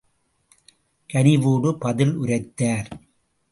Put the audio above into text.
கனிவோடு பதில் உரைத்தார்.